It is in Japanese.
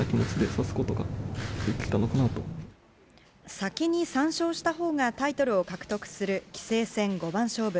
先に３勝したほうがタイトルを獲得する棋聖戦五番勝負。